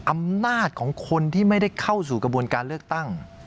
อำนาจของคนที่ไม่ได้เข้าสู่กระบวนการเลือกตั้ง